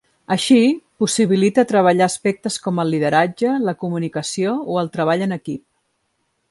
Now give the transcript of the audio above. Així, possibilita treballar aspectes com el lideratge, la comunicació o el treball en equip.